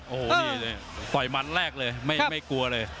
โอ้โหนี่ต่อยมันแรกเลยไม่กลัวเลย